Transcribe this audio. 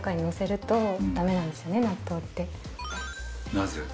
「なぜ？」